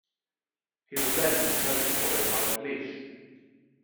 He was then closely followed by the police.